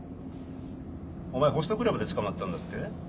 お前ホストクラブで捕まったんだって？